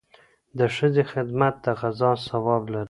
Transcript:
د ښځې خدمت د غزا ثواب لري.